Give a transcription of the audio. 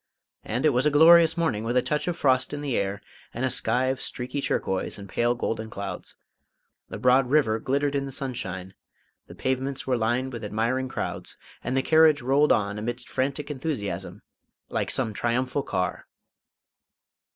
And it was a glorious morning, with a touch of frost in the air and a sky of streaky turquoise and pale golden clouds; the broad river glittered in the sunshine; the pavements were lined with admiring crowds, and the carriage rolled on amidst frantic enthusiasm, like some triumphal car.